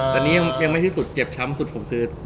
แต่นี่ยังไม่ได้ที่สุดเจ็บชำสุดผมคือ